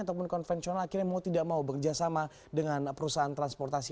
ataupun konvensional akhirnya mau tidak mau bekerjasama dengan perusahaan transportasi